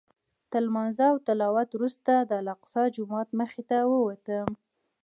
تر لمانځه او تلاوت وروسته د الاقصی جومات مخې ته ووتم.